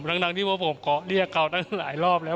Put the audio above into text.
ทั้งที่ว่าผมเกาะเรียกเขาตั้งหลายรอบแล้ว